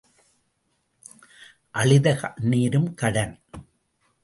அழுத கண்ணீரும் கடன்.